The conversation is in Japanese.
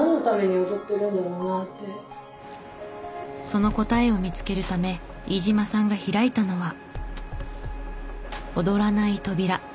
その答えを見つけるため飯島さんが開いたのは。